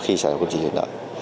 khi xả ra công trình thủy lợi